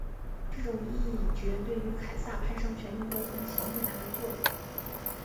这种议决对于凯撒攀上权力高峰起了莫大的作用。